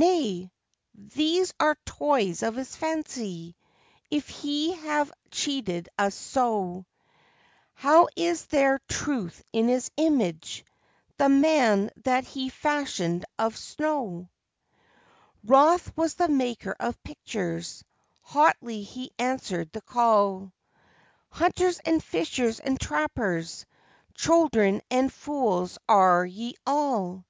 Nay! These are toys of his fancy! If he have cheated us so, How is there truth in his image the man that he fashioned of snow?" Wroth was that maker of pictures hotly he answered the call: "Hunters and fishers and trappers, children and fools are ye all!